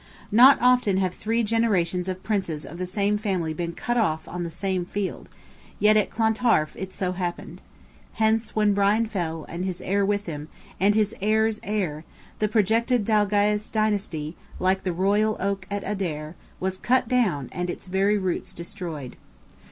Not often have three generations of Princes of the same family been cut off on the same field; yet at Clontarf it so happened. Hence, when Brian fell, and his heir with him, and his heir's heir, the projected Dalgais dynasty, like the Royal Oak at Adair, was cut down and its very roots destroyed.